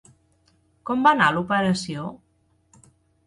Com va anar l'operació?